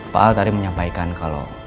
pak al tadi menyampaikan kalau